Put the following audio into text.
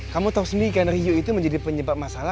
kamu tau sendiri kan ryu itu menjadi penyebab masalah